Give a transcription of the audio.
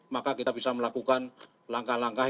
maka kita bisa melakukan langkah langkah